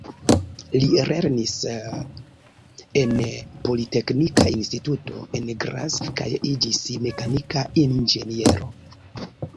Li lernis en Politeknika Instituto, en Graz, kaj iĝis mekanika inĝeniero.